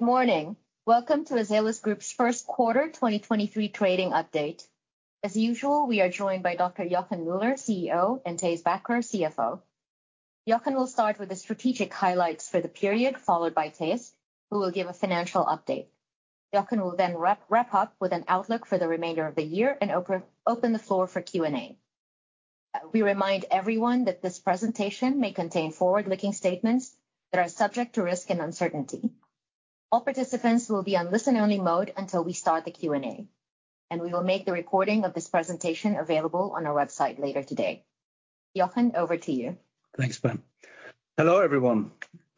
Good morning. Welcome to Azelis Group's first quarter 2023 trading update. As usual, we are joined by Dr. Jochen Müller, CEO, and Thijs Bakker, CFO. Jochen will start with the strategic highlights for the period, followed by Thijs, who will give a financial update. Jochen will then wrap up with an outlook for the remainder of the year and open the floor for Q&A. We remind everyone that this presentation may contain forward-looking statements that are subject to risk and uncertainty. All participants will be on listen-only mode until we start the Q&A, and we will make the recording of this presentation available on our website later today. Jochen, over to you. Thanks, Pam. Hello, everyone,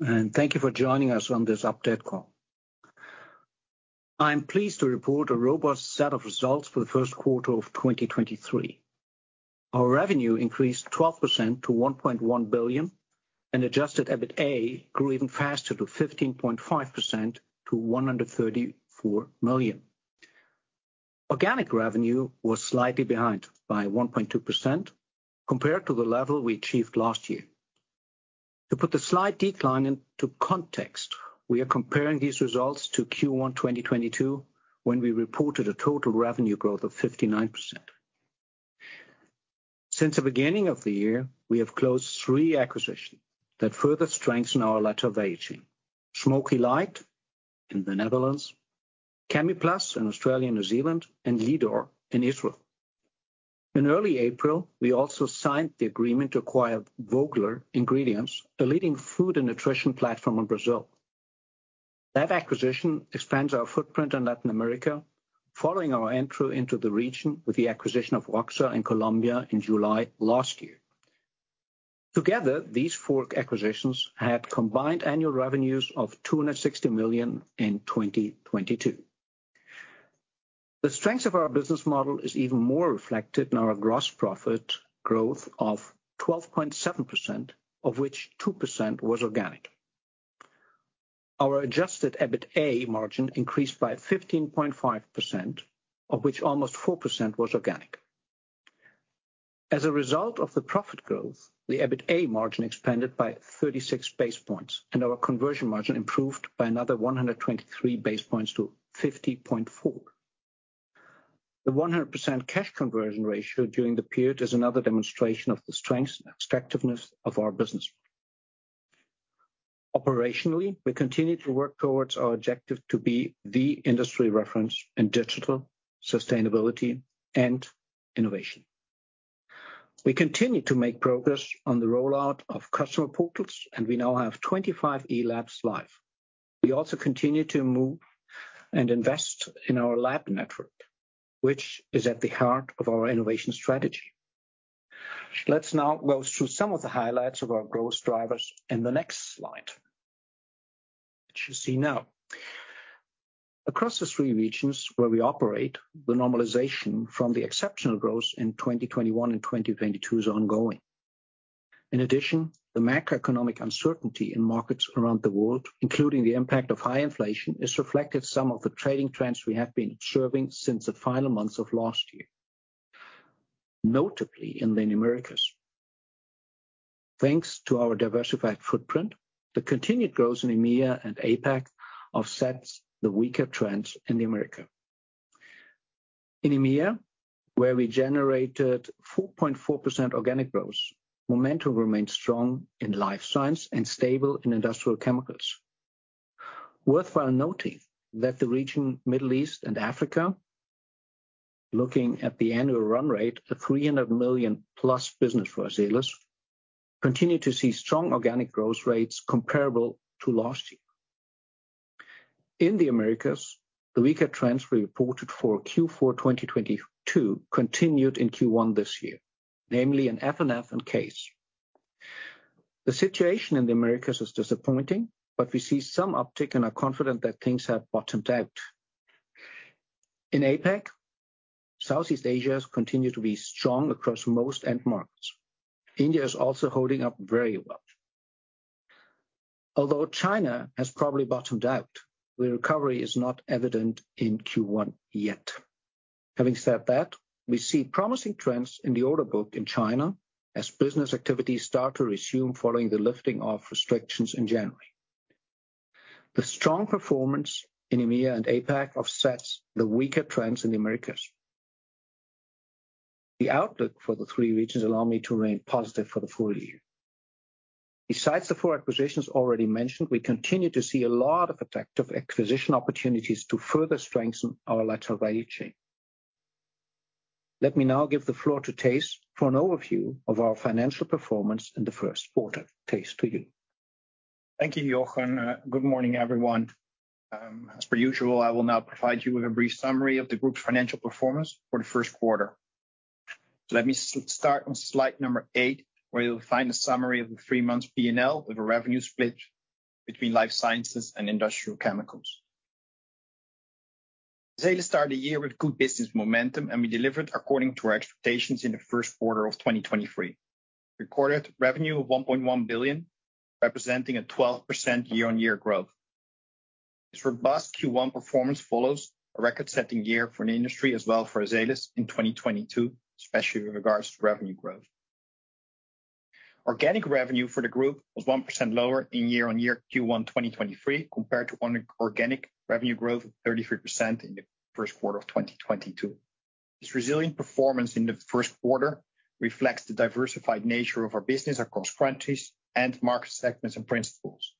thank you for joining us on this update call. I'm pleased to report a robust set of results for the first quarter of 2023. Our revenue increased 12% to 1.1 billion, Adjusted EBITA grew even faster to 15.5% to 134 million. Organic revenue was slightly behind by 1.2% compared to the level we achieved last year. To put the slight decline into context, we are comparing these results to Q1 2022, when we reported a total revenue growth of 59%. Since the beginning of the year, we have closed three acquisitions that further strengthen our lateral in Ag. Smoky Light in the Netherlands, Chemiplas in Australia and New Zealand, and Lidorr in Israel. In early April, we also signed the agreement to acquire Vogler Ingredients, a leading Food & Nutrition platform in Brazil. That acquisition expands our footprint in Latin America following our entry into the region with the acquisition of ROCSA in Colombia in July last year. Together, these four acquisitions had combined annual revenues of 260 million in 2022. The strength of our business model is even more reflected in our gross profit growth of 12.7%, of which 2% was organic. Our Adjusted EBITA margin increased by 15.5%, of which almost 4% was organic. As a result of the profit growth, the EBITA margin expanded by 36 basis points, and our conversion margin improved by another 123 basis points to 50.4%. The 100% cash conversion ratio during the period is another demonstration of the strength and attractiveness of our business. Operationally, we continue to work towards our objective to be the industry reference in digital, sustainability, and innovation. We continue to make progress on the rollout of customer portals, and we now have 25 e-labs live. We also continue to move and invest in our lab network, which is at the heart of our innovation strategy. Let's now go through some of the highlights of our growth drivers in the next slide, which you see now. Across the three regions where we operate, the normalization from the exceptional growth in 2021 and 2022 is ongoing. In addition, the macroeconomic uncertainty in markets around the world, including the impact of high inflation, has reflected some of the trading trends we have been observing since the final months of last year, notably in the Americas. Thanks to our diversified footprint, the continued growth in EMEA and APAC offsets the weaker trends in the Americas. In EMEA, where we generated 4.4% organic growth, momentum remains strong in Life Sciences and stable in Industrial Chemicals. Worthwhile noting that the region Middle East and Africa, looking at the annual run rate of 300 million-plus business for Azelis, continue to see strong organic growth rates comparable to last year. In the Americas, the weaker trends we reported for Q4 2022 continued in Q1 this year, namely in F&F and CASE. The situation in the Americas is disappointing, but we see some uptick and are confident that things have bottomed out. In APAC, Southeast Asia has continued to be strong across most end markets. India is also holding up very well. Although China has probably bottomed out, the recovery is not evident in Q1 yet. Having said that, we see promising trends in the order book in China as business activities start to resume following the lifting of restrictions in January. The strong performance in EMEA and APAC offsets the weaker trends in the Americas. The outlook for the three regions allow me to remain positive for the full year. Besides the four acquisitions already mentioned, we continue to see a lot of attractive acquisition opportunities to further strengthen our lateral value chain. Let me now give the floor to Thijs for an overview of our financial performance in the first quarter. Thijs, to you. Thank you, Jochen. Good morning, everyone. As per usual, I will now provide you with a brief summary of the group's financial performance for the first quarter. Let me start on slide number eight, where you'll find a summary of the three months P&L with a revenue split between Life Sciences and Industrial Chemicals. Azelis started the year with good business momentum, we delivered according to our expectations in the first quarter of 2023. Recorded revenue of 1.1 billion, representing a 12% year-on-year growth. This robust Q1 performance follows a record-setting year for the industry as well for Azelis in 2022, especially with regards to revenue growth. Organic revenue for the group was 1% lower in year-on-year Q1 2023 compared to organic revenue growth of 33% in the first quarter of 2022. This resilient performance in the first quarter reflects the diversified nature of our business across countries and market segments and principals.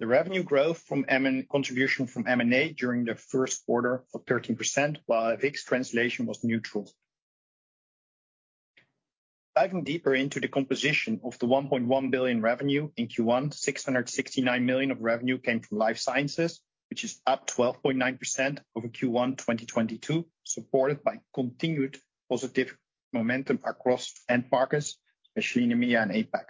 The revenue growth from contribution from M&A during the first quarter of 13%, while FX translation was neutral. Diving deeper into the composition of the 1.1 billion revenue in Q1, 669 million of revenue came from Life Sciences, which is up 12.9% over Q1 2022, supported by continued positive momentum across end markets, especially in EMEA and APAC.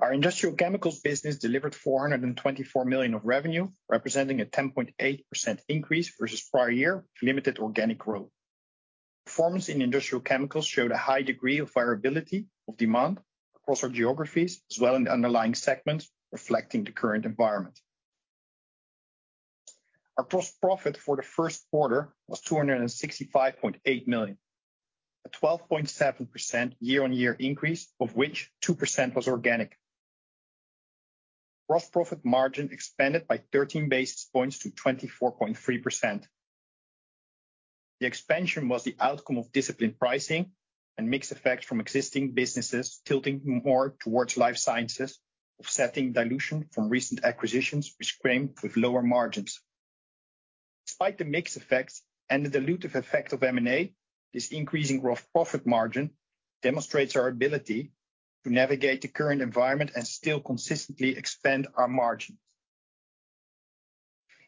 Our Industrial Chemicals business delivered 424 million of revenue, representing a 10.8% increase versus prior year limited organic growth. Performance in Industrial Chemicals showed a high degree of variability of demand across our geographies, as well in the underlying segments reflecting the current environment. Our gross profit for the first quarter was 265.8 million, a 12.7% year-on-year increase, of which 2% was organic. Gross profit margin expanded by 13 basis points to 24.3%. The expansion was the outcome of disciplined pricing and mix effects from existing businesses tilting more towards Life Sciences, offsetting dilution from recent acquisitions, which came with lower margins. Despite the mix effects and the dilutive effect of M&A, this increasing gross profit margin demonstrates our ability to navigate the current environment and still consistently expand our margins.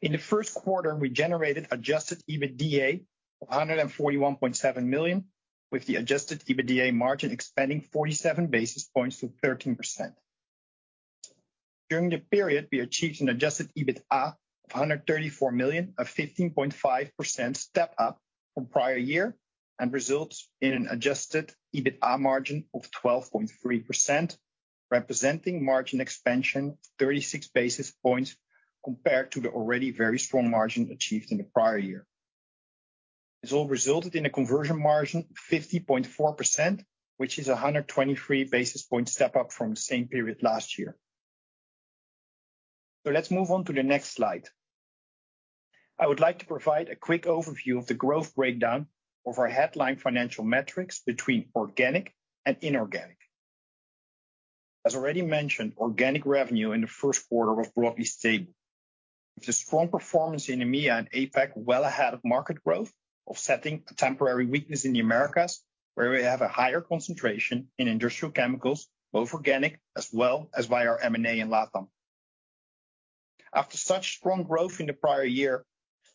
In the first quarter, we generated Adjusted EBITDA of 141.7 million, with the Adjusted EBITDA margin expanding 47 basis points to 13%. During the period, we achieved an Adjusted EBITA of 134 million, a 15.5% step up from prior year, and results in an Adjusted EBITA margin of 12.3%, representing margin expansion 36 basis points compared to the already very strong margin achieved in the prior year. This all resulted in a conversion margin of 50.4%, which is a 123 basis point step up from the same period last year. Let's move on to the next slide. I would like to provide a quick overview of the growth breakdown of our headline financial metrics between organic and inorganic. As already mentioned, organic revenue in the first quarter was broadly stable. With a strong performance in EMEA and APAC well ahead of market growth, offsetting a temporary weakness in the Americas, where we have a higher concentration in Industrial Chemicals, both organic as well as via our M&A in LATAM. After such strong growth in the prior year,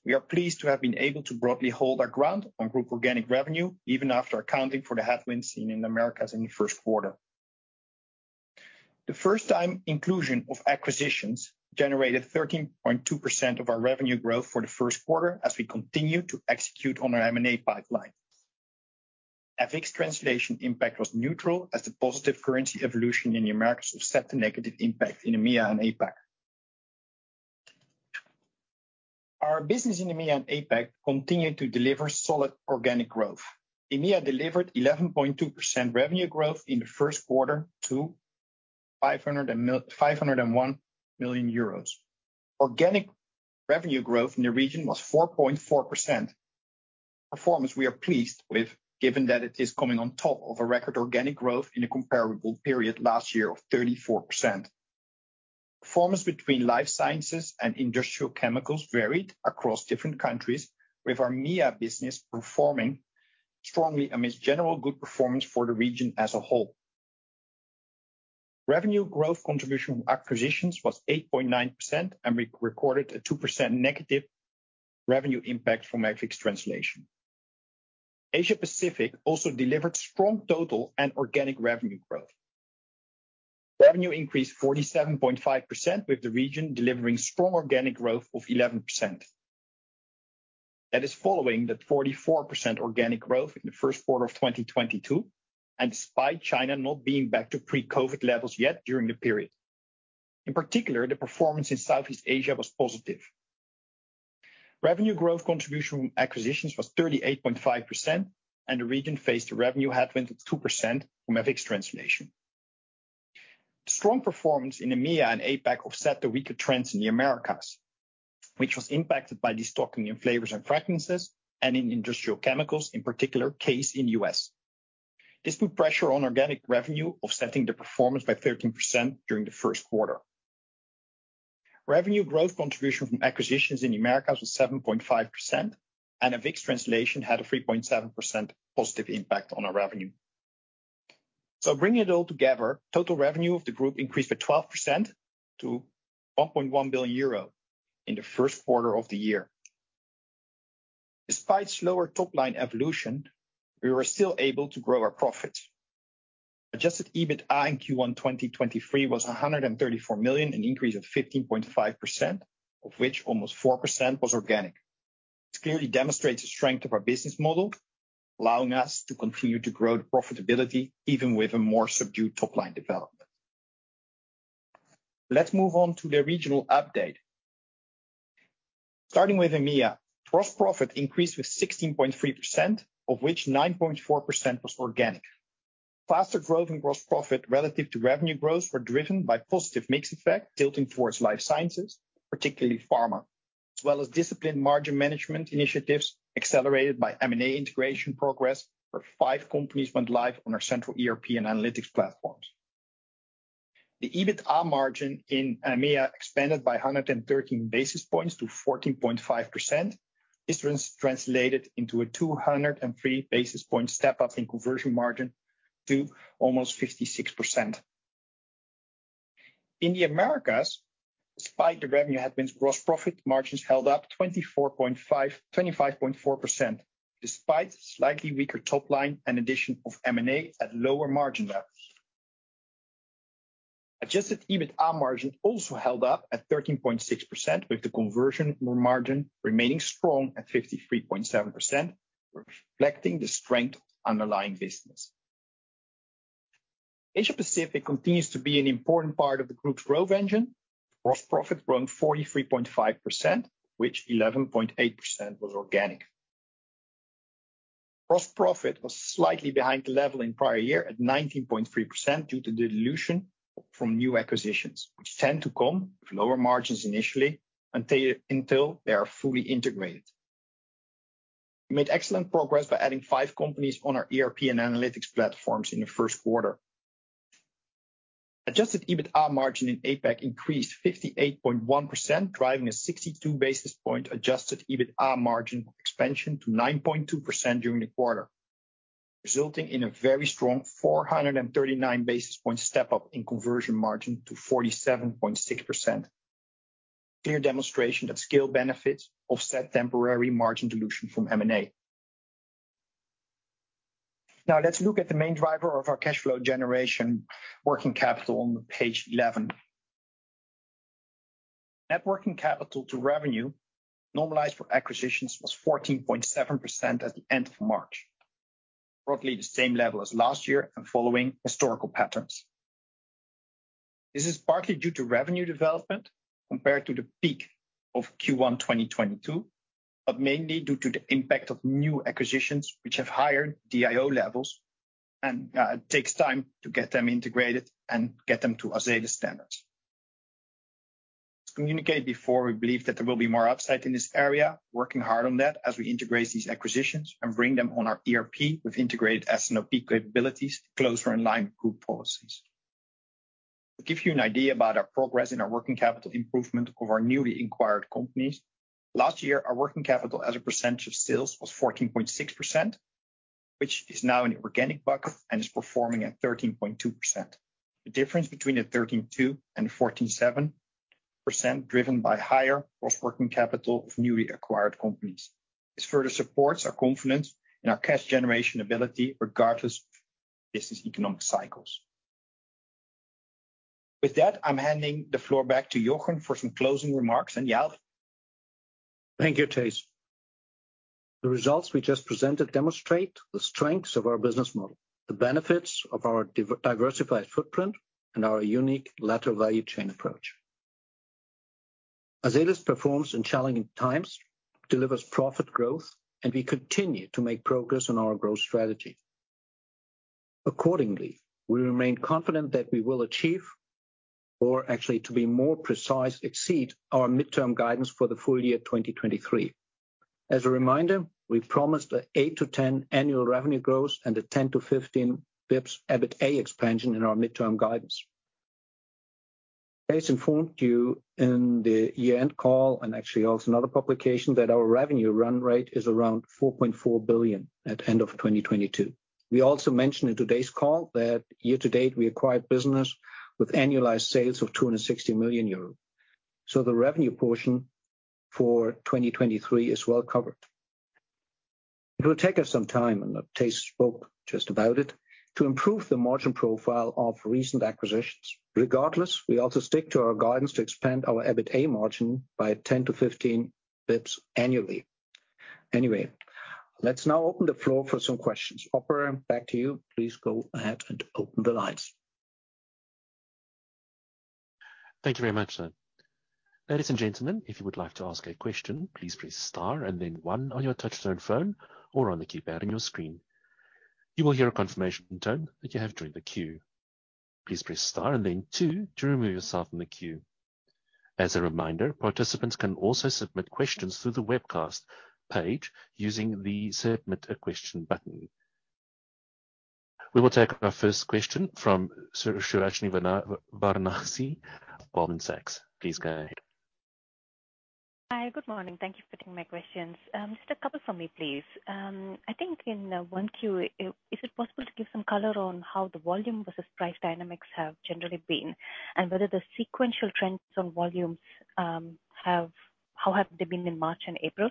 we are pleased to have been able to broadly hold our ground on group organic revenue, even after accounting for the headwinds seen in Americas in the first quarter. The first time inclusion of acquisitions generated 13.2% of our revenue growth for the first quarter as we continue to execute on our M&A pipeline. FX translation impact was neutral as the positive currency evolution in the Americas offset the negative impact in EMEA and APAC. Our business in EMEA and APAC continued to deliver solid organic growth. EMEA delivered 11.2% revenue growth in the first quarter to 501 million euros. Organic revenue growth in the region was 4.4%. Performance we are pleased with, given that it is coming on top of a record organic growth in a comparable period last year of 34%. Performance between Life Sciences and Industrial Chemicals varied across different countries, with our EMEA business performing strongly amidst general good performance for the region as a whole. Revenue growth contribution from acquisitions was 8.9%, and we recorded a 2% negative revenue impact from FX translation. Asia Pacific also delivered strong total and organic revenue growth. Revenue increased 47.5%, with the region delivering strong organic growth of 11%. That is following the 44% organic growth in the first quarter of 2022, despite China not being back to pre-COVID levels yet during the period. In particular, the performance in Southeast Asia was positive. Revenue growth contribution from acquisitions was 38.5%, the region faced a revenue headwind of 2% from FX translation. The strong performance in EMEA and APAC offset the weaker trends in the Americas, which was impacted by destocking in Flavors & Fragrances and in Industrial Chemicals, in particular CASE in U.S. This put pressure on organic revenue, offsetting the performance by 13% during the first quarter. Revenue growth contribution from acquisitions in Americas was 7.5%, FX translation had a 3.7% positive impact on our revenue. Bringing it all together, total revenue of the group increased by 12% to 1.1 billion euro in the first quarter of the year. Despite slower top-line evolution, we were still able to grow our profits. Adjusted EBITA in Q1 2023 was 134 million, an increase of 15.5%, of which almost 4% was organic. This clearly demonstrates the strength of our business model, allowing us to continue to grow the profitability even with a more subdued top-line development. Let's move on to the regional update. Starting with EMEA, gross profit increased with 16.3%, of which 9.4% was organic. Faster growth in gross profit relative to revenue growth were driven by positive mix effect tilting towards Life Sciences, particularly Pharma. As well as disciplined margin management initiatives accelerated by M&A integration progress for five companies went live on our central ERP and analytics platforms. The EBITA margin in EMEA expanded by 113 basis points to 14.5%. This translated into a 203 basis point step-up in conversion margin to almost 56%. In the Americas, despite the revenue headwinds, gross profit margins held up 25.4%, despite slightly weaker top line and addition of M&A at lower margin levels. Adjusted EBITA margin also held up at 13.6%, with the conversion margin remaining strong at 53.7%, reflecting the strength underlying business. Asia Pacific continues to be an important part of the group's growth engine. Gross profit grown 43.5%, which 11.8% was organic. Gross profit was slightly behind the level in prior year at 19.3% due to dilution from new acquisitions, which tend to come with lower margins initially until they are fully integrated. We made excellent progress by adding five companies on our ERP and analytics platforms in the first quarter. Adjusted EBITA margin in APAC increased 58.1%, driving a 62 basis point Adjusted EBITA margin expansion to 9.2% during the quarter, resulting in a very strong 439 basis point step-up in conversion margin to 47.6%. Clear demonstration that scale benefits offset temporary margin dilution from M&A. Let's look at the main driver of our cash flow generation, working capital, on page 11. Net working capital to revenue normalized for acquisitions was 14.7% at the end of March, roughly the same level as last year and following historical patterns. This is partly due to revenue development compared to the peak of Q1 2022, but mainly due to the impact of new acquisitions which have higher DIO levels and takes time to get them integrated and get them to Azelis standards. As communicated before, we believe that there will be more upside in this area. Working hard on that as we integrate these acquisitions and bring them on our ERP with integrated S&OP capabilities closer in line with group policies. To give you an idea about our progress in our working capital improvement of our newly acquired companies, last year our working capital as a percentage of sales was 14.6%, which is now in the organic bucket and is performing at 13.2%. The difference between the 13.2% and 14.7% driven by higher cross working capital of newly acquired companies. This further supports our confidence in our cash generation ability, regardless of business economic cycles. With that, I'm handing the floor back to Jochen for some closing remarks and yield. Thank you, Thijs. The results we just presented demonstrate the strengths of our business model, the benefits of our diversified footprint and our unique lateral value chain approach. Azelis performs in challenging times, delivers profit growth, we continue to make progress on our growth strategy. Accordingly, we remain confident that we will achieve, or actually to be more precise, exceed our midterm guidance for the full year 2023. As a reminder, we promised an 8%-10% annual revenue growth and a 10-15 basis points EBITA expansion in our midterm guidance. Thijs informed you in the year-end call, actually also another publication, that our revenue run rate is around 4.4 billion at end of 2022. We also mentioned in today's call that year to date we acquired business with annualized sales of 260 million euros. The revenue portion for 2023 is well covered. It will take us some time, and Thijs spoke just about it, to improve the margin profile of recent acquisitions. Regardless, we also stick to our guidance to expand our EBITA margin by 10-15 basis points annually. Let's now open the floor for some questions. Operator, back to you. Please go ahead and open the lines. Thank you very much, sir. Ladies and gentlemen, if you would like to ask a question, please press star and then one on your touch-tone phone or on the keypad on your screen. You will hear a confirmation tone that you have joined the queue. Please press star and then two to remove yourself from the queue. As a reminder, participants can also submit questions through the webcast page using the Submit a Question button. We will take our first question from Suhasini Varanasi, Goldman Sachs. Please go ahead. Hi. Good morning. Thank you for taking my questions. Just a couple for me, please. I think in 1Q, is it possible to give some color on how the volume versus price dynamics have generally been, and whether the sequential trends on volumes, how have they been in March and April?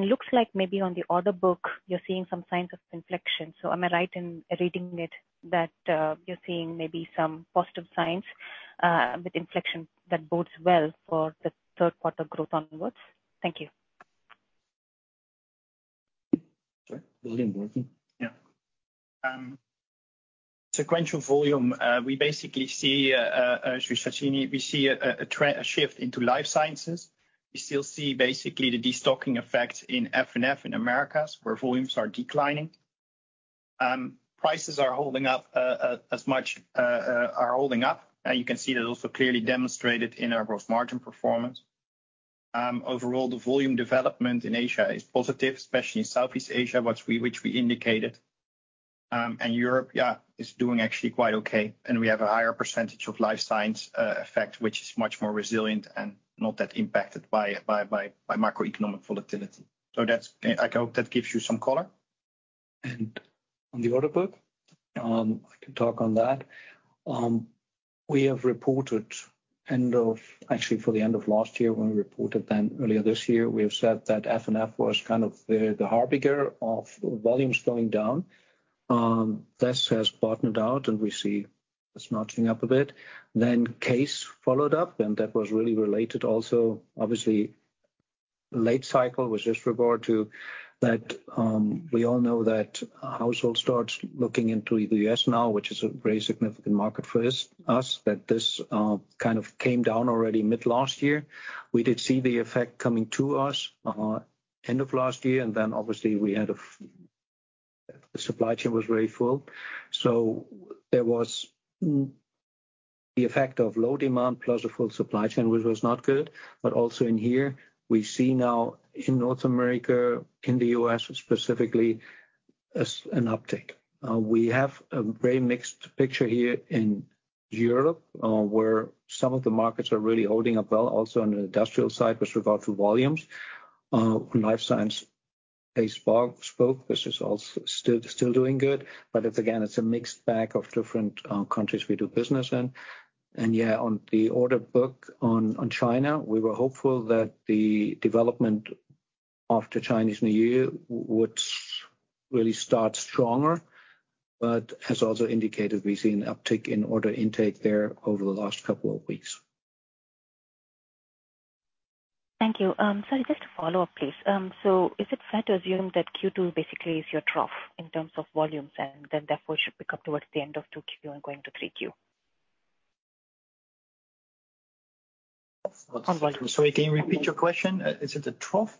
Looks like maybe on the order book you're seeing some signs of inflection. Am I right in reading it that you're seeing maybe some positive signs with inflection that bodes well for the third quarter growth onwards? Thank you. Sure. Volume working. Yeah. Sequential volume, we basically see Suhasini, we see a shift into Life Sciences. We still see basically the destocking effect in F&F in Americas, where volumes are declining. Prices are holding up, as much, are holding up. Now you can see that also clearly demonstrated in our gross margin performance. Overall, the volume development in Asia is positive, especially in Southeast Asia, which we indicated. Europe, yeah, is doing actually quite okay, and we have a higher percentage of Life Sciences effect, which is much more resilient and not that impacted by macroeconomic volatility. I hope that gives you some color. On the order book, I can talk on that. We have reported actually, for the end of last year when we reported earlier this year, we have said that F&F was kind of the harbinger of volumes going down. This has bottomed out, we see it's notching up a bit. CASE followed up, that was really related also. Obviously, late cycle was just regard to that, we all know that household starts looking into either U.S. now, which is a very significant market for us, that this kind of came down already mid last year. We did see the effect coming to us end of last year. Obviously, the supply chain was very full. There was the effect of low demand plus a full supply chain, which was not good. Also in here, we see now in North America, in the U.S. specifically, as an uptick. We have a very mixed picture here in Europe, where some of the markets are really holding up well, also on the industrial side with regard to volumes. Life Sciences, as APAC, this is also still doing good, but it's again, it's a mixed bag of different countries we do business in. Yeah, on the order book on China, we were hopeful that the development after Chinese New Year would really start stronger, but as also indicated, we've seen an uptick in order intake there over the last couple of weeks. Thank you. Sorry, just to follow up, please. Is it fair to assume that Q2 basically is your trough in terms of volumes and then therefore should pick up towards the end of 2Q and going to 3Q? Sorry, can you repeat your question? Is it a trough?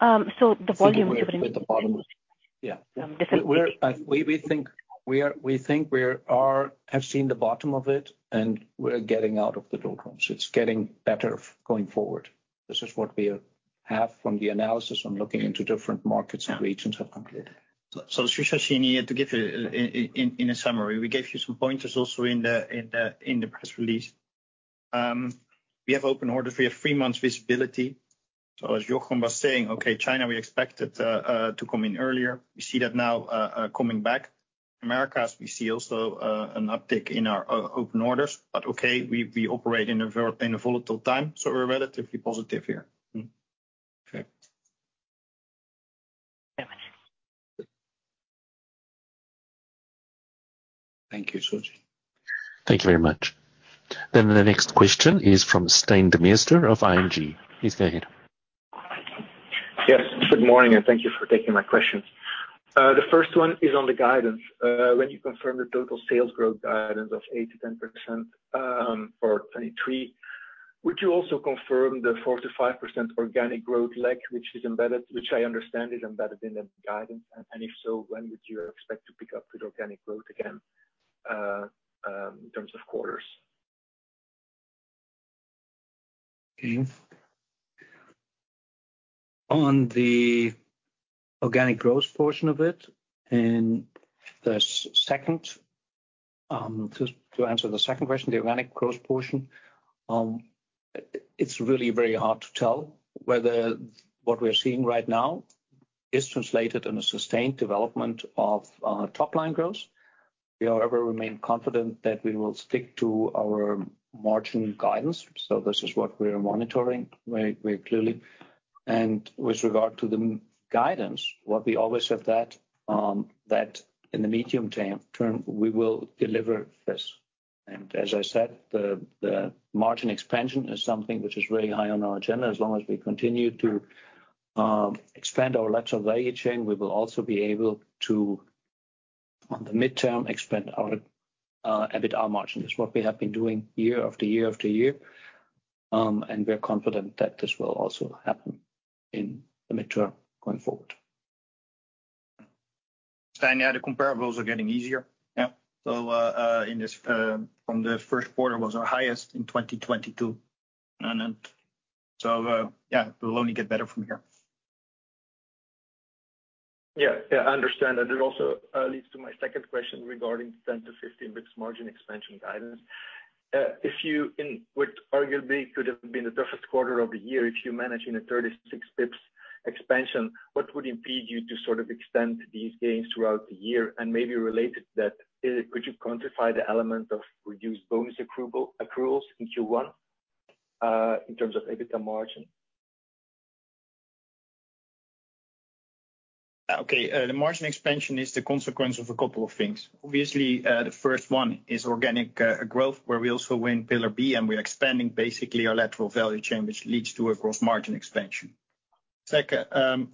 Um, so the volume- The bottom. Yeah. Um, basically- We think we're have seen the bottom of it. We're getting out of the doldrums. It's getting better going forward. This is what we have from the analysis from looking into different markets and regions have concluded. Suhasini, to give you in a summary, we gave you some pointers also in the press release. We have open order. We have three months visibility. As Jochen was saying, okay, China, we expected to come in earlier. We see that now coming back. Americas, we see also an uptick in our open orders. Okay, we operate in a volatile time, we're relatively positive here. Okay. Thank you. Thank you, Suhasini. Thank you very much. The next question is from Stijn Demeester of ING. Please go ahead. Yes. Good morning, and thank you for taking my questions. The first one is on the guidance. When you confirm the total sales growth guidance of 8%-10%, for 2023, would you also confirm the 4%-5% organic growth lag, which I understand is embedded in the guidance? If so, when would you expect to pick up the organic growth again, in terms of quarters? Okay. On the organic growth portion of it, the second, to answer the second question, the organic growth portion, it's really very hard to tell whether what we're seeing right now is translated in a sustained development of top-line growth. We, however, remain confident that we will stick to our margin guidance. This is what we are monitoring very clearly. With regard to the guidance, what we always have that in the medium term, we will deliver this. As I said, the margin expansion is something which is really high on our agenda. As long as we continue to expand our lateral value chain, we will also be able to, on the midterm, expand our EBITDA margin. It's what we have been doing year after year after year. We're confident that this will also happen in the midterm going forward. Stijn, yeah, the comparables are getting easier. Yeah. From the first quarter was our highest in 2022. Mm-hmm. Yeah, it'll only get better from here. Yeah, I understand that. It also leads to my second question regarding 10-15 basis points margin expansion guidance. If you which arguably could have been the toughest quarter of the year, if you manage in a 36 basis points expansion, what would impede you to sort of extend these gains throughout the year? Maybe related that, could you quantify the element of reduced bonus accruals in Q1 in terms of EBITDA margin? The margin expansion is the consequence of a couple of things. The first one is organic growth, where we also win Pillar B, and we're expanding basically our lateral value chain, which leads to a gross margin expansion.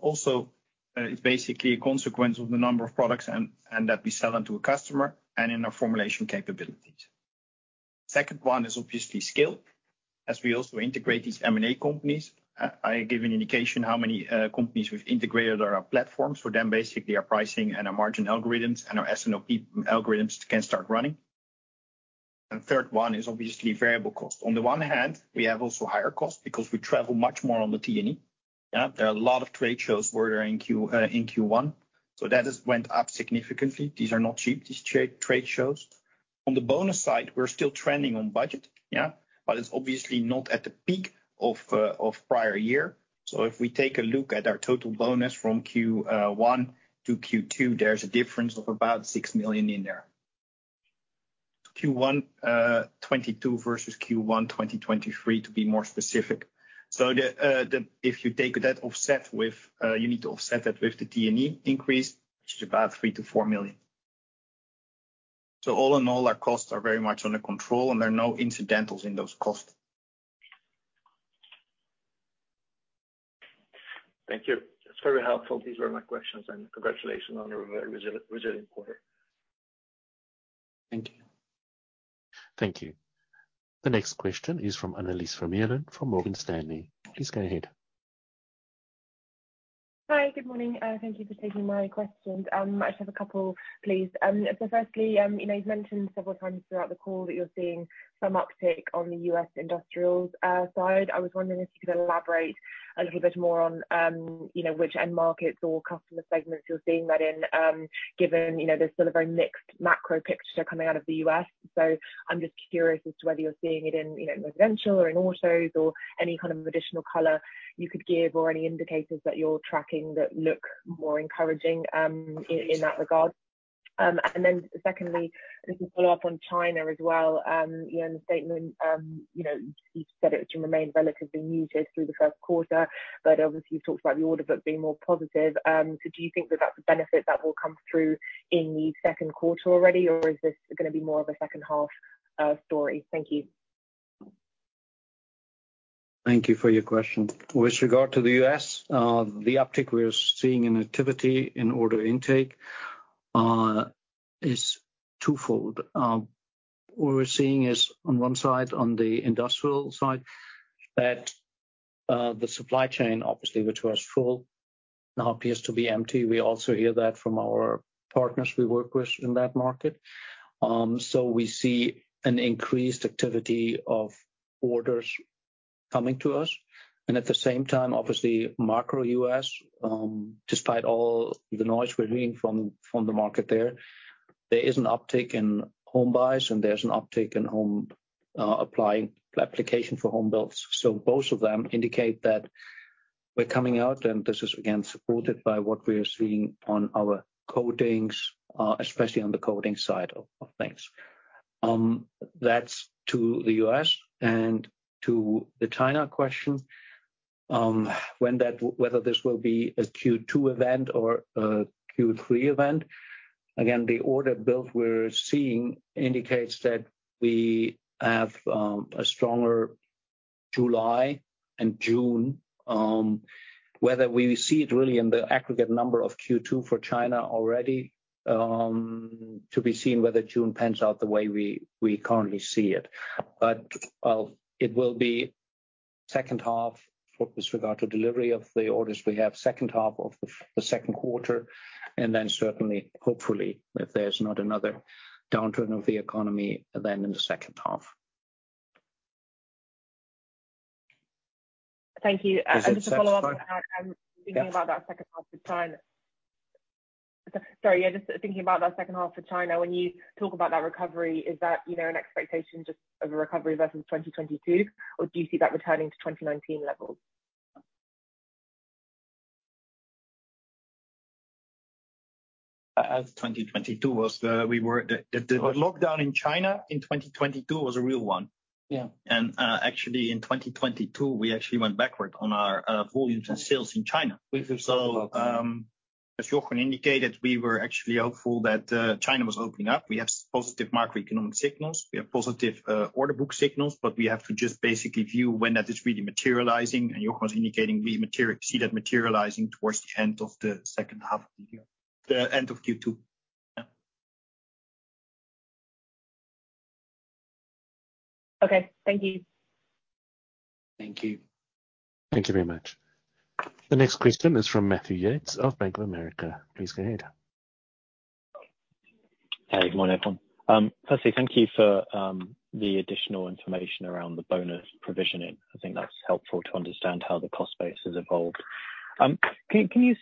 Also, it's basically a consequence of the number of products and that we sell them to a customer and in our formulation capabilities. Second one is obviously scale. We also integrate these M&A companies, I give an indication how many companies we've integrated on our platforms for them, basically our pricing and our margin algorithms and our S&OP algorithms can start running. Third one is obviously variable cost. On the one hand, we have also higher cost because we travel much more on the T&E. There are a lot of trade shows were during Q... In Q1, that has went up significantly. These are not cheap, these trade shows. On the bonus side, we're still trending on budget, it's obviously not at the peak of prior year. If we take a look at our total bonus from Q1 to Q2, there's a difference of about 6 million in there. Q1 2022 versus Q1 2023, to be more specific. The if you take that offset with, you need to offset that with the T&E increase, which is about 3 million-4 million. All in all, our costs are very much under control, and there are no incidentals in those costs. Thank you. That's very helpful. These were my questions. Congratulations on a very resilient quarter. Thank you. Thank you. The next question is from Annelies Vermeulen from Morgan Stanley. Please go ahead. Hi. Good morning. Thank you for taking my questions. I just have a couple, please. Firstly, you know, you've mentioned several times throughout the call that you're seeing some uptick on the U.S. industrials side. I was wondering if you could elaborate a little bit more on, you know, which end markets or customer segments you're seeing that in, given, you know, there's still a very mixed macro picture coming out of the U.S. I'm just curious as to whether you're seeing it in, you know, in residential or in autos or any kind of additional color you could give or any indicators that you're tracking that look more encouraging, in that regard. Secondly, just to follow up on China as well. In the statement, you said it remained relatively muted through the first quarter, obviously you've talked about the order book being more positive. Do you think that that's a benefit that will come through in the second quarter already, or is this gonna be more of a second half story? Thank you. Thank you for your question. With regard to the U.S., the uptick we're seeing in activity in order intake, is twofold. What we're seeing is on one side, on the industrial side, that the supply chain obviously, which was full, now appears to be empty. We also hear that from our partners we work with in that market. We see an increased activity of orders coming to us. At the same time, obviously macro U.S., despite all the noise we're hearing from the market there is an uptick in home buys and there's an uptick in home, applying application for home builds. Both of them indicate that we're coming out, and this is again supported by what we're seeing on our coatings, especially on the coating side of things. That's to the U.S. and to the China question. Whether this will be a Q2 event or a Q3 event. Again, the order build we're seeing indicates that we have a stronger July and June, whether we see it really in the aggregate number of Q2 for China already, to be seen whether June pans out the way we currently see it. Well, it will be second half with regard to delivery of the orders we have, second half of the second quarter, and then certainly, hopefully, if there's not another downturn of the economy, then in the second half. Thank you. Just to follow up. Just thinking about that second half for China. When you talk about that recovery, is that, you know, an expectation just of a recovery versus 2022, or do you see that returning to 2019 levels? The lockdown in China in 2022 was a real one. Yeah. Actually in 2022, we actually went backward on our volumes and sales in China. As Jochen indicated, we were actually hopeful that China was opening up. We have positive macroeconomic signals. We have positive order book signals, but we have to just basically view when that is really materializing, and Jochen's indicating we see that materializing towards the end of the second half of the year, the end of Q2. Yeah. Okay. Thank you. Thank you. Thank you very much. The next question is from Matthew Yates of Bank of America. Please go ahead. Hey, good morning, everyone. Firstly, thank you for the additional information around the bonus provisioning. I think that's helpful to understand how the cost base has evolved. Can you,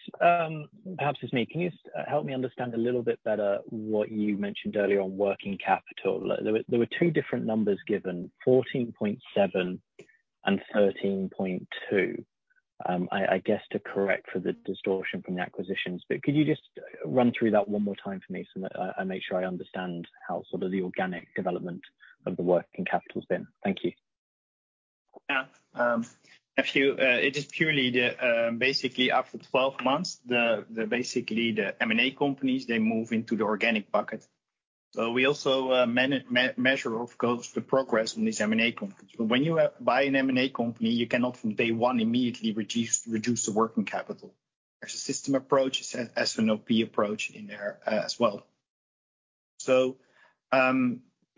perhaps it's me, can you help me understand a little bit better what you mentioned earlier on working capital? There were two different numbers given, 14.7% and 13.2%. I guess, to correct for the distortion from the acquisitions. Could you just run through that one more time for me so that I make sure I understand how sort of the organic development of the working capital's been? Thank you. If you, it is purely the basically after 12 months, the M&A companies, they move into the organic bucket. We also measure of course the progress in these M&A companies. When you buy an M&A company, you cannot from day one immediately reduce the working capital. There's a system approach, an S&OP approach in there as well.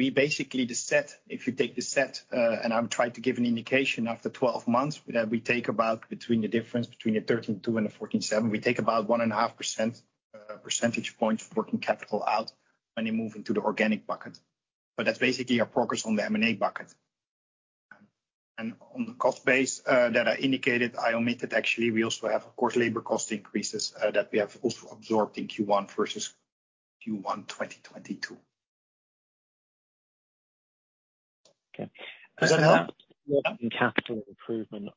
We basically the set, if you take the set, and I'm trying to give an indication after 12 months that we take about between the difference between the 13.2% and the 14.7%, we take about 1.5 percentage point working capital out, and they move into the organic bucket. That's basically our progress on the M&A bucket. On the cost base that I indicated, I omitted actually we also have of course labor cost increases that we have also absorbed in Q1 versus Q1 2022. Okay. Does that help? Working capital improvement.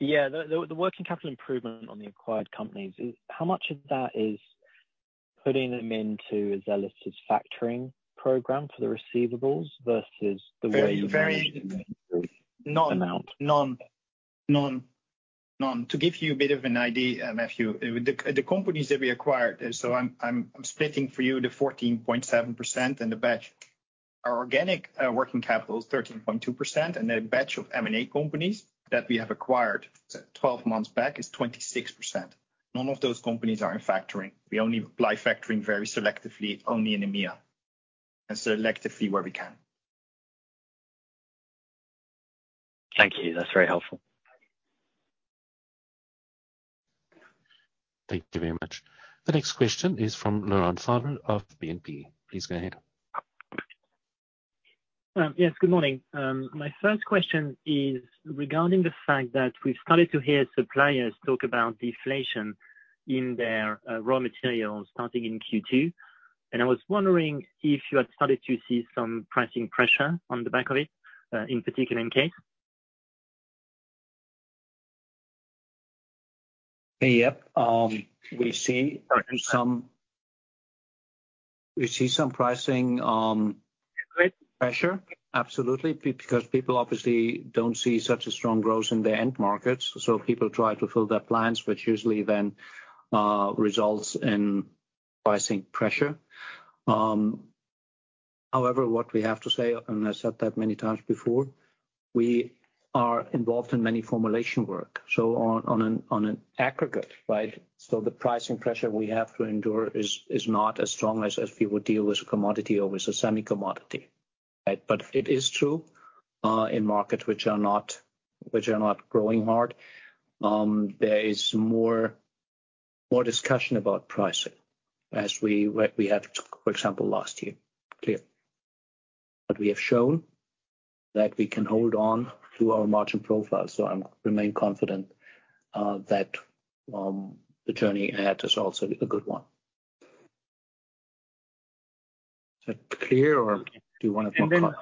Yeah. The working capital improvement on the acquired companies, how much of that is putting them into Azelis' factoring program for the receivables versus the way amount? Non, non, non. To give you a bit of an idea, Matthew, the companies that we acquired, I'm splitting for you the 14.7% and the batch. Our organic working capital is 13.2%, A batch of M&A companies that we have acquired 12 months back is 26%. None of those companies are in factoring. We only apply factoring very selectively only in EMEA, and selectively where we can. Thank you. That's very helpful. Thank you very much. The next question is from Laurent Favre of BNP. Please go ahead. Yes. Good morning. My first question is regarding the fact that we've started to hear suppliers talk about deflation in their raw materials starting in Q2. I was wondering if you had started to see some pricing pressure on the back of it, in particular in CASE? Yep. We see some pricing pressure. Absolutely. Because people obviously don't see such a strong growth in their end markets. People try to fill their plans, which usually then results in pricing pressure. What we have to say, and I said that many times before, we are involved in many formulation work. On an aggregate, right? The pricing pressure we have to endure is not as strong as we would deal with commodity or with a semi commodity. Right? It is true, in market which are not growing hard. There is more discussion about pricing as we had, for example, last year. Clear. We have shown that we can hold on to our margin profile. I'm remain confident that the journey ahead is also a good one. Is that clear, or do you wanna go-?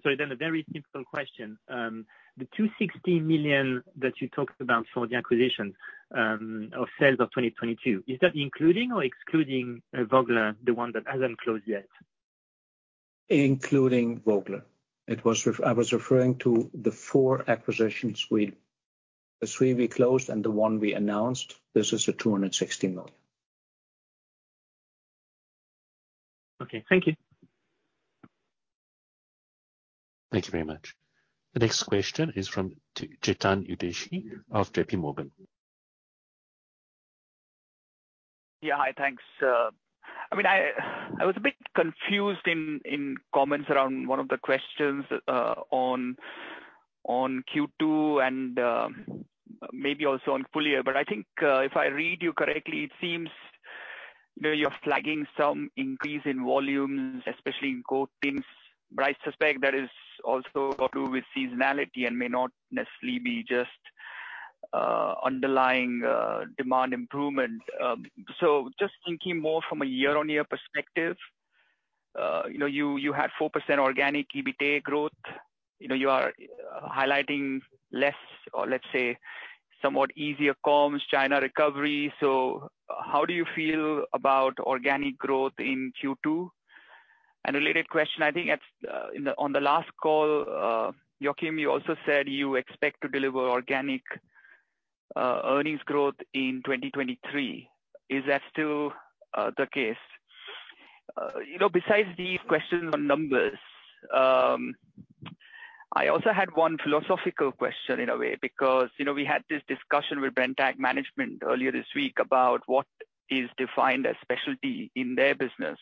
Sorry, then a very simple question. The 260 million that you talked about for the acquisition, of sales of 2022, is that including or excluding Vogler, the one that hasn't closed yet? Including Vogler. I was referring to the four acquisitions. The three we closed and the one we announced, this is the 260 million. Okay. Thank you. Thank you very much. The next question is from Chetan Udeshi of JPMorgan. Yeah. Hi. Thanks. I mean, I was a bit confused in comments around one of the questions on Q2 and maybe also on full year. I think, if I read you correctly, it seems, you know, you're flagging some increase in volumes, especially in coatings. I suspect that is also to do with seasonality and may not necessarily be just underlying demand improvement. Just thinking more from a year-on-year perspective, you know, you had 4% organic EBITA growth. You know, you are highlighting less or let's say somewhat easier comms, China recovery. How do you feel about organic growth in Q2? Related question, I think at on the last call, Jochen, you also said you expect to deliver organic earnings growth in 2023. Is that still the case? You know, besides these questions on numbers, I also had one philosophical question in a way because, you know, we had this discussion with Brenntag management earlier this week about what is defined as specialty in their business.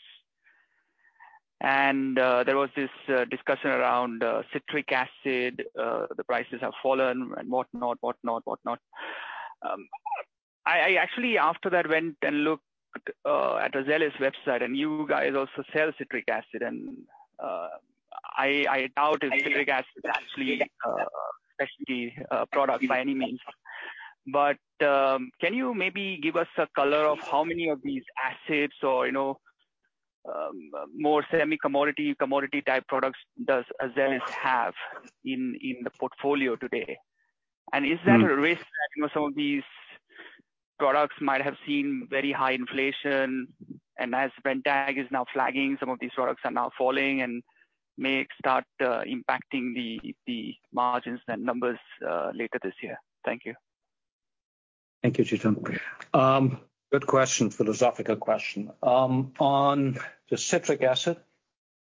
There was this discussion around citric acid, the prices have fallen and whatnot, whatnot. I actually after that went and looked at Azelis website and you guys also sell citric acid and I doubt if citric acid is actually a specialty product by any means. Can you maybe give us a color of how many of these acids or, you know, more semi commodity type products does Azelis have in the portfolio today? Is that a risk that, you know, some of these products might have seen very high inflation, and as Brenntag is now flagging, some of these products are now falling and may start impacting the margins and numbers later this year? Thank you. Thank you, Chetan. Good question. Philosophical question. On the citric acid,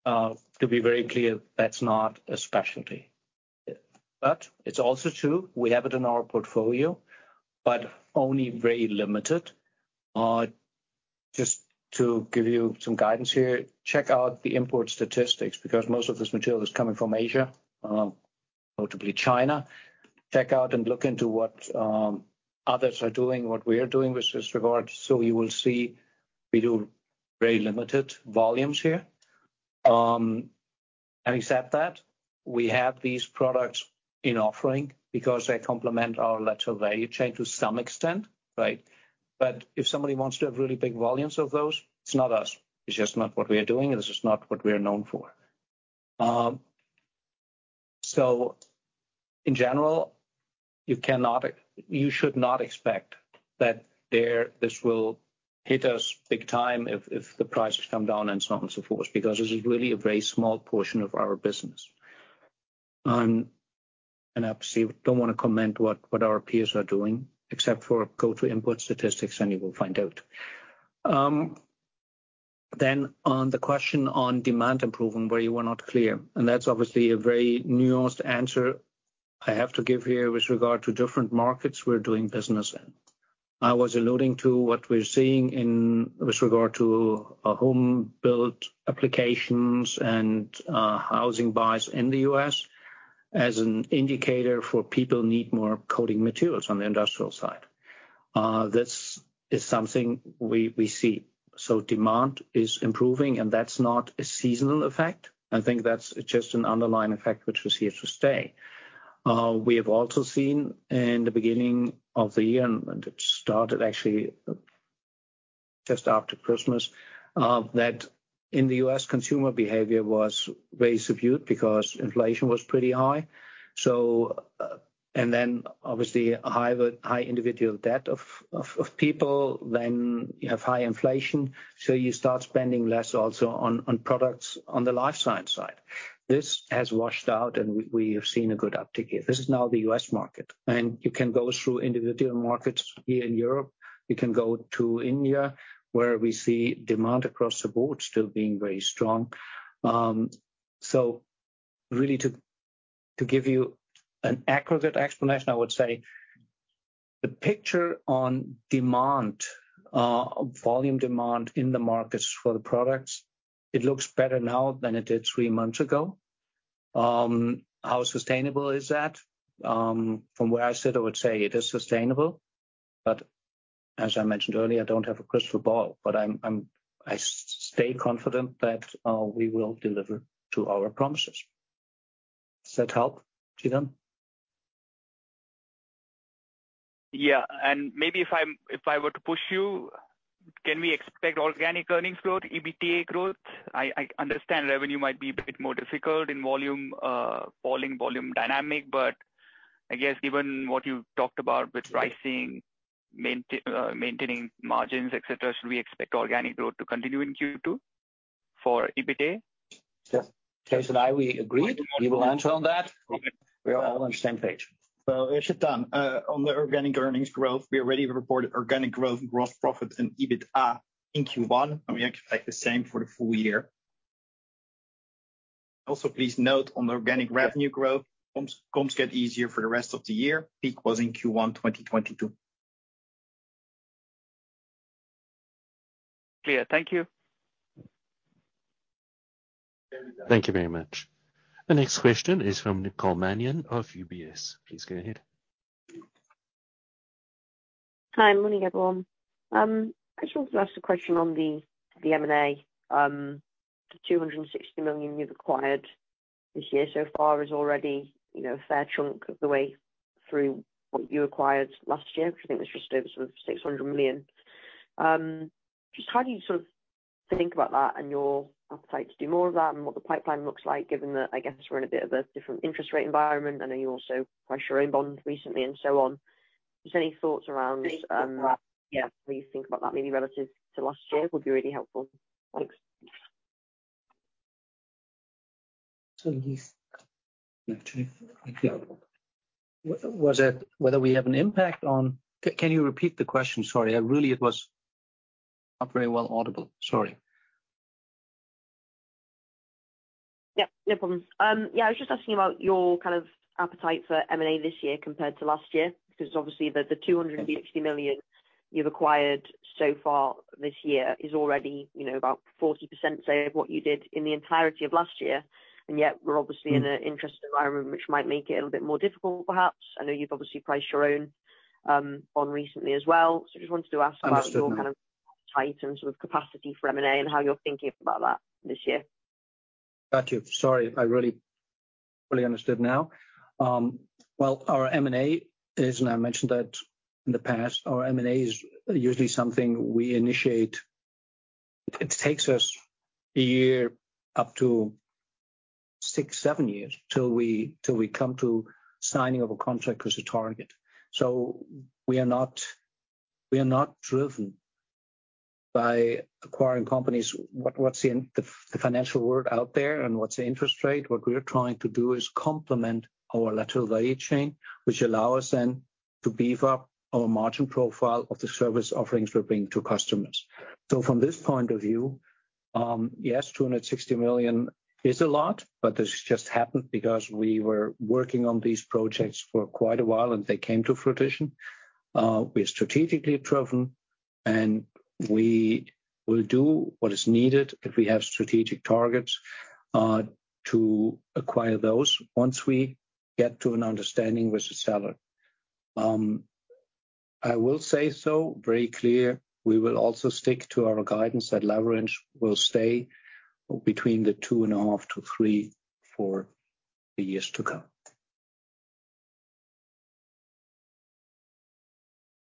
to be very clear, that's not a specialty. It's also true we have it in our portfolio, but only very limited. Just to give you some guidance here, check out the import statistics, because most of this material is coming from Asia, notably China. Check out and look into what others are doing, what we are doing with this regard. You will see we do very limited volumes here. Except that, we have these products in offering because they complement our lateral value chain to some extent, right? If somebody wants to have really big volumes of those, it's not us. It's just not what we are doing, and this is not what we are known for. In general, you should not expect that this will hit us big time if the prices come down and so on and so forth, because this is really a very small portion of our business. Obviously, we don't wanna comment what our peers are doing, except for go to import statistics and you will find out. On the question on demand improvement, where you were not clear, and that's obviously a very nuanced answer I have to give here with regard to different markets we're doing business in. I was alluding to what we're seeing with regard to our home build applications and housing buys in the U.S. as an indicator for people need more coating materials on the industrial side. That is something we see. Demand is improving, and that's not a seasonal effect. I think that's just an underlying effect which is here to stay. We have also seen in the beginning of the year, and it started actually just after Christmas, that in the U.S., consumer behavior was very subdued because inflation was pretty high. Obviously a high individual debt of people, then you have high inflation, so you start spending less also on products on the Life Sciences side. This has washed out, and we have seen a good uptick here. This is now the U.S. market, and you can go through individual markets here in Europe. You can go to India, where we see demand across the board still being very strong. Really to give you an aggregate explanation, I would say the picture on demand, volume demand in the markets for the products, it looks better now than it did three months ago. How sustainable is that? From where I sit, I would say it is sustainable. As I mentioned earlier, I don't have a crystal ball, but I stay confident that we will deliver to our promises. Does that help, Chetan? Yeah. Maybe if I were to push you, can we expect organic earnings growth, EBITDA growth? I understand revenue might be a bit more difficult in volume, falling volume dynamic. I guess given what you talked about with pricing, maintaining margins, et cetera, should we expect organic growth to continue in Q2 for EBITDA? Yes. Thijs and I, we agreed. We will answer on that. We are all on the same page. Chetan, on the organic earnings growth, we already reported organic growth in gross profit and EBITDA in Q1, and we expect the same for the full year. Also, please note on the organic revenue growth, comps get easier for the rest of the year. Peak was in Q1, 2022. Clear. Thank you. Thank you very much. The next question is from Nicole Manion of UBS. Please go ahead. Hi. Morning, everyone. I just wanted to ask a question on the M&A. The 260 million you've acquired this year so far is already, you know, a fair chunk of the way through what you acquired last year, which I think was just over 600 million. Just how do you sort of think about that and your appetite to do more of that and what the pipeline looks like given that, I guess, we're in a bit of a different interest rate environment? I know you also priced your own bond recently and so on. Just any thoughts around, yeah, how you think about that maybe relative to last year would be really helpful. Thanks. Was it whether we have an impact on? Can you repeat the question? Sorry. It was not very well audible. Sorry. Yep, no problem. Yeah, I was just asking about your kind of appetite for M&A this year compared to last year. Obviously the 260 million you've acquired so far this year is already, you know, about 40%, say, of what you did in the entirety of last year. We're obviously in an interest environment which might make it a little bit more difficult, perhaps. I know you've obviously priced your own bond recently as well. Just wanted to ask about. Understood now. Your kind of appetite and sort of capacity for M&A and how you're thinking about that this year. Got you. Sorry, I really fully understood now. Well, our M&A is, and I mentioned that in the past, our M&A is usually something we initiate. It takes us a year up to six, seven years till we come to signing of a contract with the target. We are not, we are not driven by acquiring companies. What's in the financial world out there and what's the interest rate. What we are trying to do is complement our lateral value chain, which allow us then to beef up our margin profile of the service offerings we're bringing to customers. From this point of view, yes, 260 million is a lot, but this just happened because we were working on these projects for quite a while, and they came to fruition. We're strategically driven, we will do what is needed if we have strategic targets to acquire those once we get to an understanding with the seller. I will say, very clear, we will also stick to our guidance that leverage will stay between 2.5 to three for the years to come.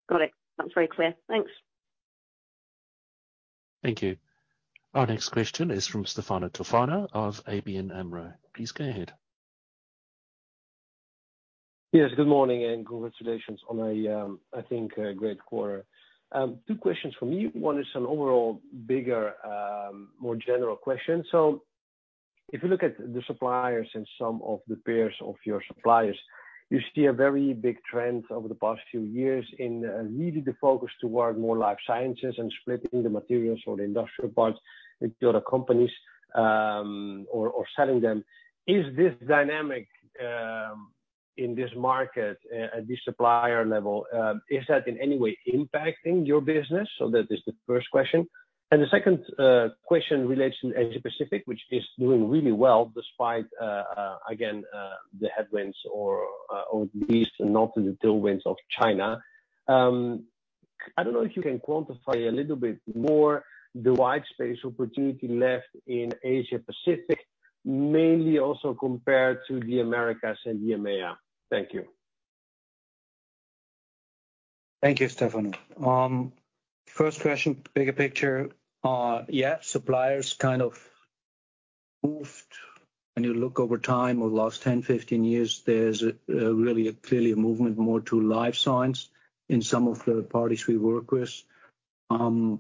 Got it. That's very clear. Thanks. Thank you. Our next question is from Stefano Toffano of ABN AMRO. Please go ahead. Yes, good morning, and congratulations on a, I think, a great quarter. Two questions from me. One is an overall bigger, more general question. If you look at the suppliers and some of the pairs of your suppliers, you see a very big trend over the past few years in really the focus toward more Life Sciences and splitting the materials or the industrial parts with the other companies, or selling them. Is this dynamic, in this market at the supplier level, is that in any way impacting your business? That is the first question. The second question relates to Asia-Pacific, which is doing really well, despite again, the headwinds or at least not in the tailwinds of China. I don't know if you can quantify a little bit more the white space opportunity left in Asia-Pacific, mainly also compared to the Americas and the EMEA. Thank you. Thank you, Stefano. First question, bigger picture. Suppliers kind of moved. When you look over time over the last 10, 15 years, there's really a clearly a movement more to Life Sciences in some of the parties we work with, and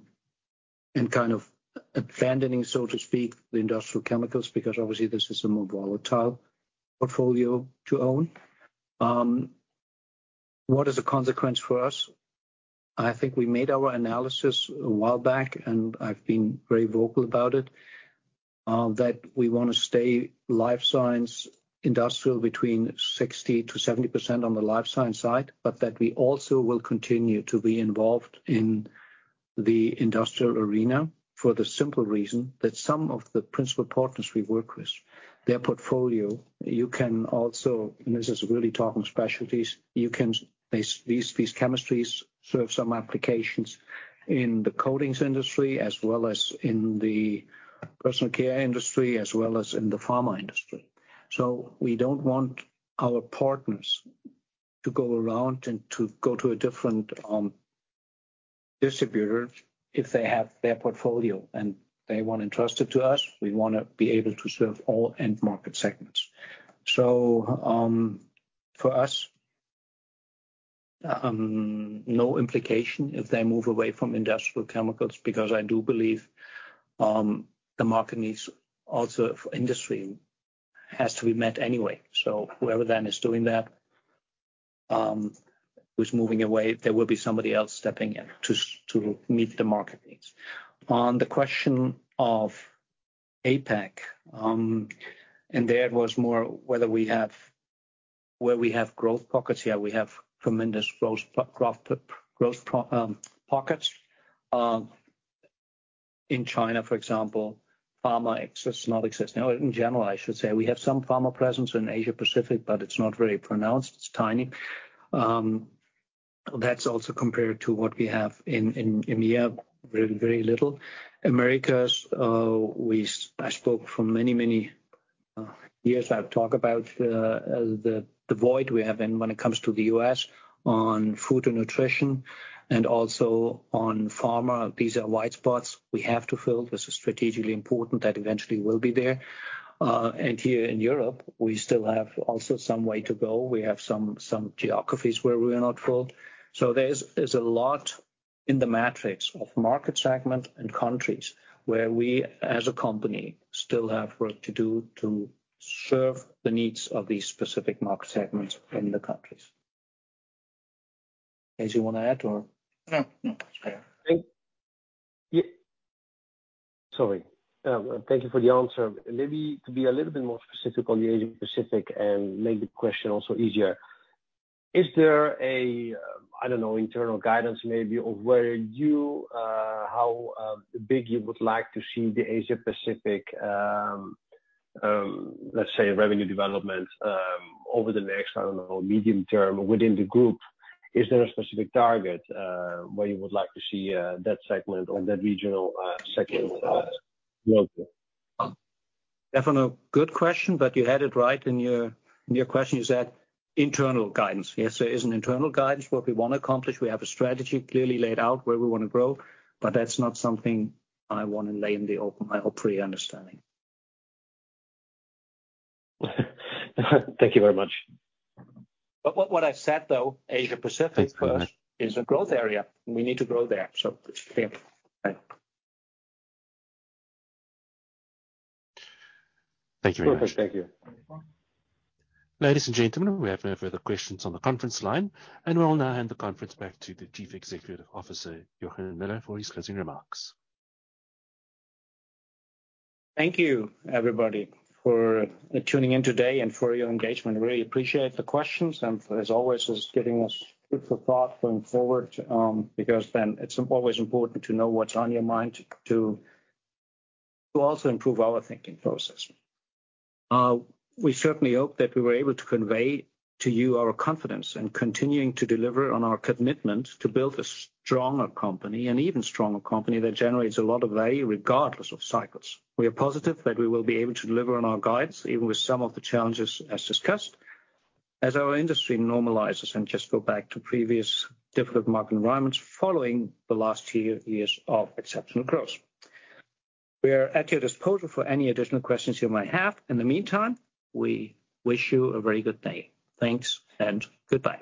kind of abandoning, so to speak, the Industrial Chemicals, because obviously this is a more volatile portfolio to own. What is the consequence for us? I think we made our analysis a while back, and I've been very vocal about it, that we wanna stay Life Sciences, Industrial Chemicals between 60%-70% on the Life Sciences side, but that we also will continue to be involved in the Industrial Chemicals arena for the simple reason that some of the principal partners we work with, their portfolio, you can also, and this is really talking specialties, you can base these chemistries serve some applications in the coatings industry as well as in the personal care industry as well as in the Pharma industry. We don't want our partners to go around and to go to a different distributor if they have their portfolio, and they want to entrust it to us. We wanna be able to serve all end market segments. For us, no implication if they move away from Industrial Chemicals because I do believe the market needs also for industry has to be met anyway. Whoever then is doing that, who's moving away, there will be somebody else stepping in to meet the market needs. On the question of APAC, there it was more whether where we have growth pockets. Yeah, we have tremendous growth pockets in China, for example, Pharma exists, not exists. Now, in general, I should say we have some Pharma presence in Asia-Pacific, but it's not very pronounced. It's tiny. That's also compared to what we have in EMEA, very little. Americas, I spoke for many years. I've talked about the void we have in when it comes to the U.S. on Food & Nutrition and also on Pharma. These are white spots we have to fill. This is strategically important that eventually will be there. Here in Europe, we still have also some way to go. We have some geographies where we're not filled. There's a lot in the matrix of market segment and countries where we as a company still have work to do to serve the needs of these specific market segments in the countries. Thijs, you wanna add or? No, no. It's okay. Yeah. Sorry. Thank you for the answer. Maybe to be a little bit more specific on the Asia-Pacific and make the question also easier. Is there a, I don't know, internal guidance maybe of where you, how big you would like to see the Asia-Pacific, let's say, revenue development, over the next, I don't know, medium term within the group? Is there a specific target where you would like to see that segment or that regional segment grow to? Stefano, good question. You had it right in your question. You said internal guidance. There is an internal guidance, what we wanna accomplish. We have a strategy clearly laid out where we wanna grow. That's not something I wanna lay in the open, my P&L understanding. Thank you very much. What I've said though, Asia-Pacific. Thank you very much. Is a growth area. We need to grow there. Yeah. Bye. Thank you very much. Super. Thank you. Ladies and gentlemen, we have no further questions on the conference line, and we'll now hand the conference back to the Chief Executive Officer, Jochen Müller, for his closing remarks. Thank you, everybody, for tuning in today and for your engagement. Really appreciate the questions and for as always, just giving us food for thought going forward, because then it's always important to know what's on your mind to also improve our thinking process. We certainly hope that we were able to convey to you our confidence in continuing to deliver on our commitment to build a stronger company, an even stronger company that generates a lot of value regardless of cycles. We are positive that we will be able to deliver on our guides, even with some of the challenges as discussed, as our industry normalizes and just go back to previous difficult market environments following the last two years of exceptional growth. We are at your disposal for any additional questions you might have. In the meantime, we wish you a very good day. Thanks and goodbye.